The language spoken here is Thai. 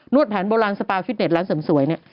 นวดแผนโบราณสปาร์ฟิตเนสร้านเสมอสวย